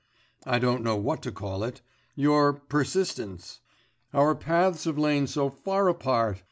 I don't know what to call it ... your persistence? Our paths have lain so far apart!